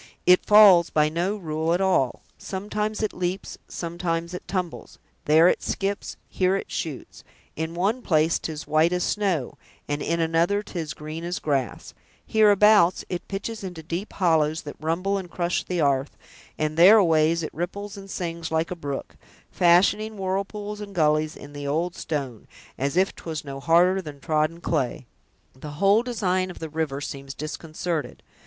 It falls by no rule at all; sometimes it leaps, sometimes it tumbles; there it skips; here it shoots; in one place 'tis white as snow, and in another 'tis green as grass; hereabouts, it pitches into deep hollows, that rumble and crush the 'arth; and thereaways, it ripples and sings like a brook, fashioning whirlpools and gullies in the old stone, as if 'twas no harder than trodden clay. The whole design of the river seems disconcerted.